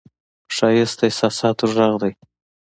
ښایست د احساساتو غږ دی